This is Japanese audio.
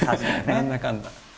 何だかんだ。